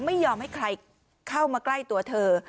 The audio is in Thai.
ไม่ยอมให้ใครเข้ามาใกล้ตัวเธอ